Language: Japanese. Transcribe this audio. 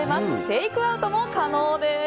テイクアウトも可能です。